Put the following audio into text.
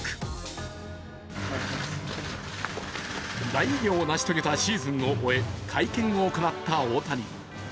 大偉業を成し遂げたシーズンを終え、会見を行った大谷。